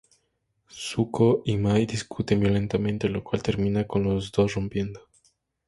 Zuko y Mai discuten violentamente, lo cual termina con los dos rompiendo.